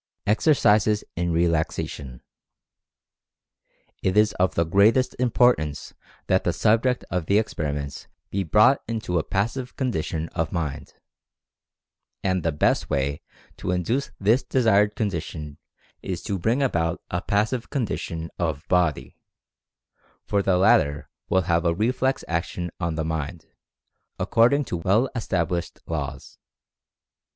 EXERCISES IN RELAXATION. It is of the greatest importance that the subject of the experiments be brought into a passive condition 98 , Mental Fascination of mind. And the best way to induce this desired condition is to bring about a passive condition of body, for the latter will have a reflex action on the mind, according to well established laws.